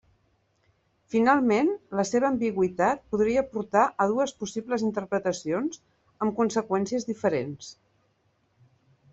Finalment, la seva ambigüitat podria portar a dues possibles interpretacions, amb conseqüències diferents.